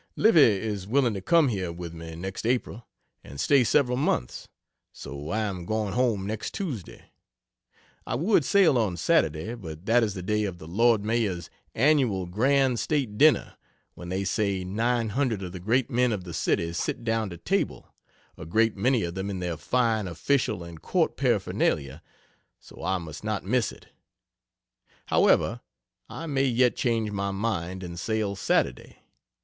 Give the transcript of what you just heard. Livy is willing to come here with me next April and stay several months so I am going home next Tuesday. I would sail on Saturday, but that is the day of the Lord Mayor's annual grand state dinner, when they say 900 of the great men of the city sit down to table, a great many of them in their fine official and court paraphernalia, so I must not miss it. However, I may yet change my mind and sail Saturday.